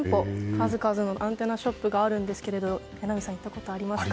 数々のアンテナショップがあるんですけれども榎並さん、行ったことありますか。